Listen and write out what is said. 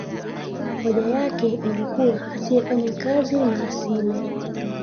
hoja yake ilikuwa asiyefanya kazi na asile